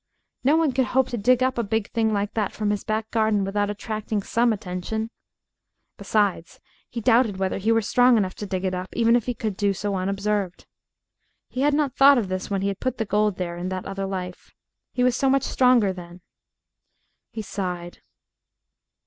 No one could hope to dig up a big thing like that from his back garden without attracting some attention. Besides, he doubted whether he were strong enough to dig it up, even if he could do so unobserved. He had not thought of this when he had put the gold there in that other life. He was so much stronger then. He sighed.